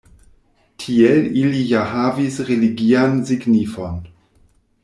Tiel ili ja havis religian signifon.